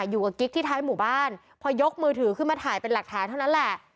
กิ๊กที่ท้ายหมู่บ้านพอยกมือถือขึ้นมาถ่ายเป็นหลักฐานเท่านั้นแหละ